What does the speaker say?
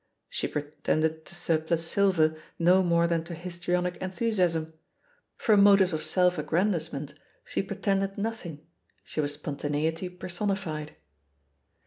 She pretended to surplus silver no more than to his trionic enthusiasm — from motives of self aggran disement she pretended nothing, she was spon taneity personified.